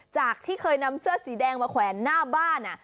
จากที่เคยนำเสื้อสีแดงมาแขวนหน้าบ้าน